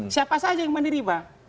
siapa saja yang menerima